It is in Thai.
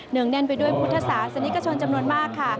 งแน่นไปด้วยพุทธศาสนิกชนจำนวนมากค่ะ